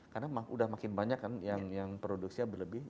karena udah makin banyak kan yang produksinya berlebih